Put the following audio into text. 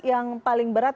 yang paling berat